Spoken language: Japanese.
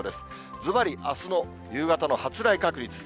ずばり、あすの夕方の発雷確率。